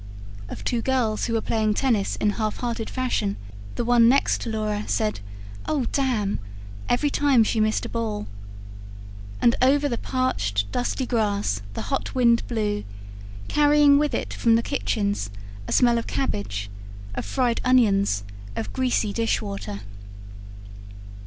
Of two girls who were playing tennis in half hearted fashion, the one next Laura said 'Oh, damn!' every time she missed a ball. And over the parched, dusty grass the hot wind blew, carrying with it, from the kitchens, a smell of cabbage, of fried onions, of greasy dish water.